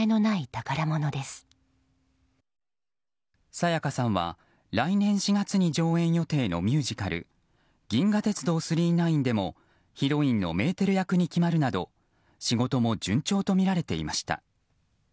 沙也加さんは来年４月に上演予定のミュージカル「銀河鉄道９９９」でもヒロインのメーテル役に決まるなど仕事も順調とみられていました。